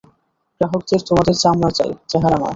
গ্রাহকদের তোমাদের চামড়া চাই, চেহারা নয়।